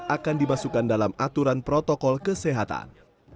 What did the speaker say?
akan dimasukkan dalam aturan protokol kesehatan